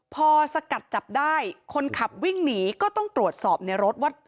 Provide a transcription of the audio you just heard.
พอสกัดจับได้คนขับวิ่งหนีก็ต้องตรวจสอบในรถว่า